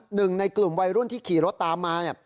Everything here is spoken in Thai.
หนึ่งในกลุ่มวัยรุ่นที่ขี่รถตามมา